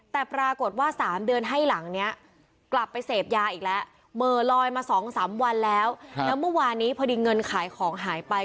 แต่ปรากฏว่า๓เดือนให้หลังนี้กลับไปเสพยาอีกแล้วเหม่อลอยมา๒๓วันแล้วแล้วเมื่อวานนี้พอดีเงินขายของหายไป